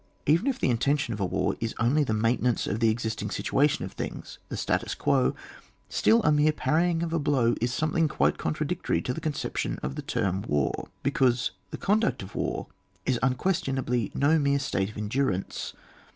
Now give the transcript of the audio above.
Even if the intention of a war is only the maintenance of the existing situation of things, the itatus quo, still a mere panying of a blow is something quite contradictory to the conception of the term war, because the conduct of war is unquestionably no mere state of endu rance.